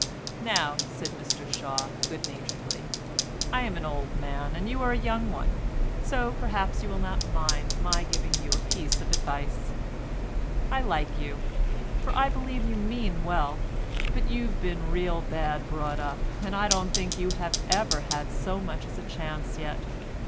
"Now," said Mr Shaw good naturedly, "I am an old man and you are a young one, so perhaps you'll not mind my giving you a piece of advice. I like you, for I believe you mean well, but you've been real bad brought up, and I don't think you have ever had so much as a chance yet.